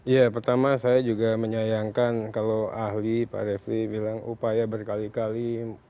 ya pertama saya juga menyayangkan kalau ahli pak refli bilang upaya berkali kali